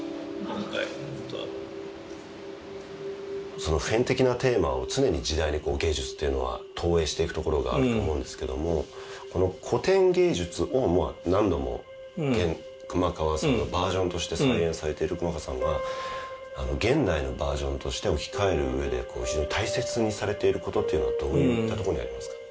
今回ホントその普遍的なテーマを常に時代にこう芸術っていうのは投影していくところがあると思うんですけどもこの古典芸術を何度も熊川さんのバージョンとして再演されている熊川さんはあの現代のバージョンとして置き換える上でこう非常に大切にされていることというのはどういったところにありますか？